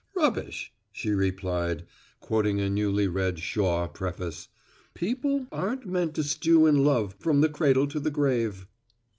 "Rubbish," she replied, quoting a newly read Shaw preface, "people aren't meant to stew in love from the cradle to the grave."